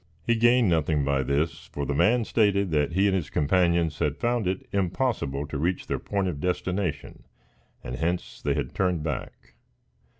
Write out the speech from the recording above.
He gained nothing by this, for the man stated that he and his companions had found it impossible to reach their point of destination, and hence they had turned back.